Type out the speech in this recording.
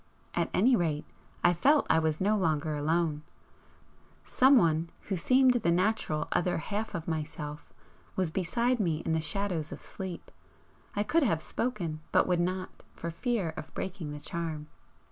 At any rate, I felt I was no longer alone. Someone who seemed the natural other half of myself was beside me in the shadows of sleep I could have spoken, but would not, for fear of breaking the charm.